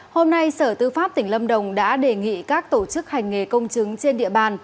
hôm nay sở tư pháp tỉnh lâm đồng đã đề nghị các tổ chức hành nghề công chứng trên địa bàn